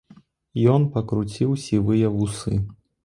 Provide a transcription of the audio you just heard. Ён пакруціў сівыя вусы.